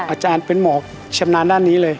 อาจารย์เป็นหมอชำนาญด้านนี้เลย